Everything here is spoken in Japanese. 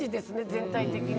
全体的に。